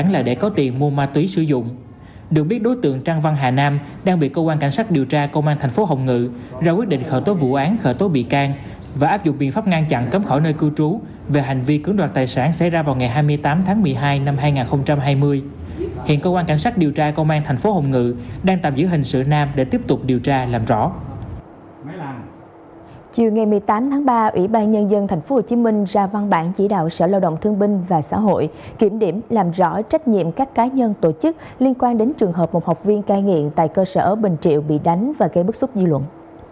liên quan đến trường hợp một học viên cai nghiện tại cơ sở bình triệu bị đánh và gây bức xúc dư luận